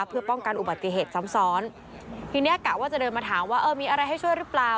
เพื่อป้องกันอุบัติเหตุซ้ำซ้อนทีเนี้ยกะว่าจะเดินมาถามว่าเออมีอะไรให้ช่วยหรือเปล่า